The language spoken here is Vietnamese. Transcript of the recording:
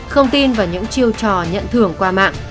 không tin vào những chiêu trò nhận thưởng qua mạng